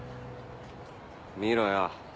見ろよ